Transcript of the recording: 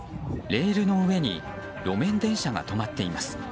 レールの上に路面電車が止まっています。